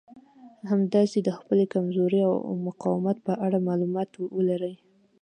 همداسې د خپلې کمزورۍ او مقاومت په اړه مالومات ولرئ.